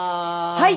はい！